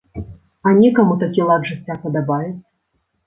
А некаму такі лад жыцця падабаецца.